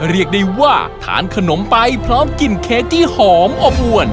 เรียกได้ว่าทานขนมไปพร้อมกลิ่นเค้กที่หอมอบอวน